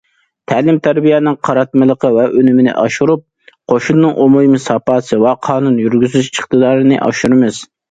تەلىم- تەربىيەنىڭ قاراتمىلىقى ۋە ئۈنۈمىنى ئاشۇرۇپ، قوشۇننىڭ ئومۇمىي ساپاسى ۋە قانۇن يۈرگۈزۈش ئىقتىدارىنى ئاشۇرىمىز.